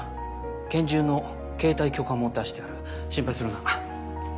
拳銃の携帯許可も出してある心配するな。